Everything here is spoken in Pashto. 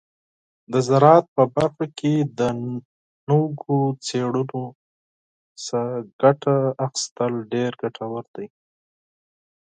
د زراعت په برخه کې د نوو څیړنو څخه ګټه اخیستل ډیر ګټور دي.